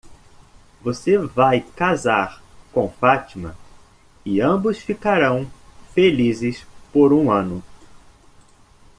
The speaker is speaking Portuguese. Você vai casar com Fatima? e ambos ficarão felizes por um ano.